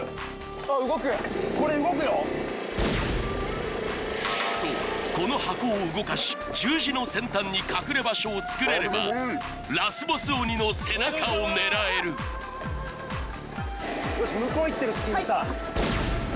あっ動くそうこの箱を動かし十字の先端に隠れ場所を作れればラスボス鬼の背中を狙える行ってください